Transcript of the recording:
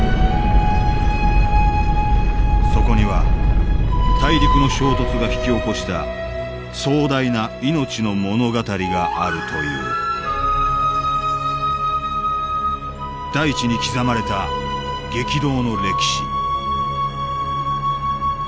そこには大陸の衝突が引き起こした壮大な命の物語があるという大地に刻まれた激動の歴史